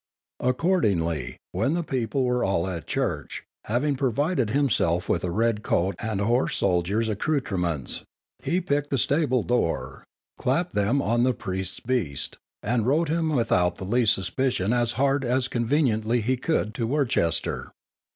Accordingly, when the people were all at church, having provided himself with a red coat and a horse soldier's accoutrements, he picked the stable door, clapped them on the priest's beast, and rode him without the least suspicion as hard as conveniently he could to Worcester.